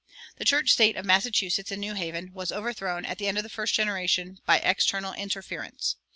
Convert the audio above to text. The church state of Massachusetts and New Haven was overthrown at the end of the first generation by external interference.